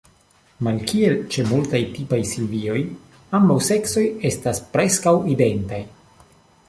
Malkiel ĉe multaj tipaj silvioj, ambaŭ seksoj estas preskaŭ identaj.